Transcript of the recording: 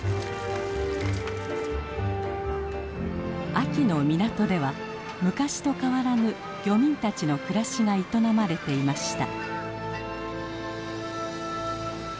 秋の港では昔と変わらぬ漁民たちの暮らしが営まれていました。